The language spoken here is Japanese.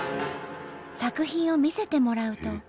作品を見せてもらうと。